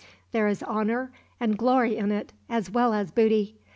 There is honor and glory in it, as well as booty.